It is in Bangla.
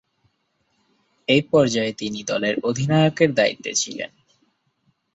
এ পর্যায়ে তিনি দলের অধিনায়কের দায়িত্বে ছিলেন।